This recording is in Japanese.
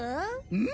うん！？